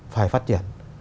phải phát triển